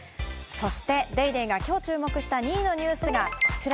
そして『ＤａｙＤａｙ．』が今日注目した２位のニュースがこちら。